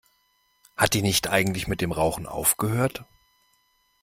Hat die nicht eigentlich mit dem Rauchen aufgehört?